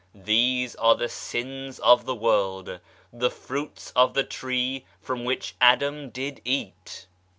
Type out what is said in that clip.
These are the sins of the world, the fruits of the tree from which Adam did eat.